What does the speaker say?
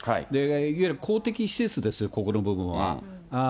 いわゆる公的施設です、ここの部分は。